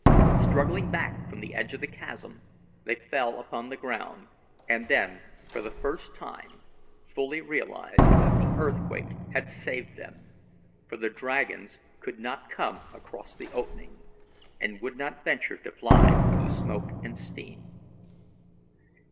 Struggling back from the edge of the chasm, they fell upon the ground, and then for the first time fully realized that the earthquake had saved them, for the dragons could not come across the opening, and would not venture to fly through the smoke and steam.